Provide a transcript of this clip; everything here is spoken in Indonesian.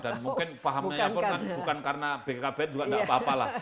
dan mungkin pahamnya ya bukan karena bkkb juga gak apa apa lah